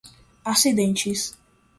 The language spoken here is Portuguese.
acidentes